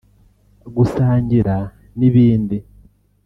gusangira n’ibindi